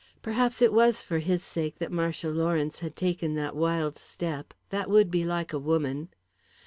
Perhaps it was for his sake that Marcia Lawrence had taken that wild step. That would be like a woman.